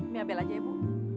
mia bel aja ya bu